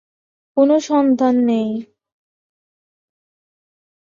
কোনো সন্তান নেই।